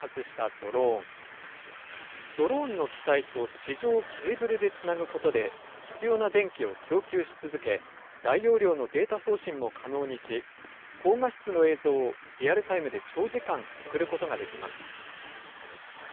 ドローンの機体と地上をケーブルでつなぐことで、必要な電気を供給し続け、大容量のデータ送信も可能にし、高画質の映像をリアルタイムで長時間、送ることができます。